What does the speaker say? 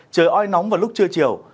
trời oi nóng vào lúc trưa chiều